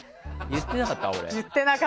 言ってなかった。